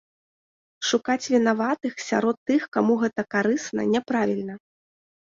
Шукаць вінаватых сярод тых, каму гэта карысна, няправільна.